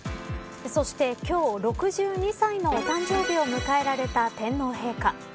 そして今日６２歳のお誕生日を迎えられた天皇陛下。